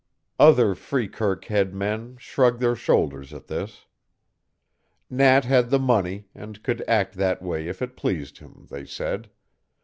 Other Freekirk Head men shrugged their shoulders at this. Nat had the money, and could act that way if it pleased him, they said.